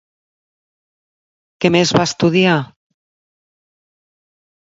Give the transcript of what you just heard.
Què més va estudiar?